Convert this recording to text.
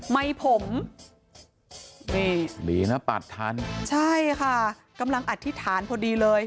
ไม่ผมนี่ดีนะปัดทันใช่ค่ะกำลังอธิษฐานพอดีเลย